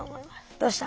どうした？